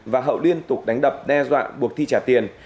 và hậu liên tục đánh đập đe dọa buộc chi trả tiền